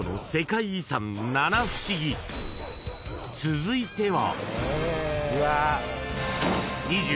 ［続いては］